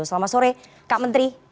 selamat sore kak menteri